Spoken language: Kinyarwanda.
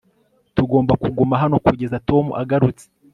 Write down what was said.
tugomba kuguma hano kugeza tom agarutse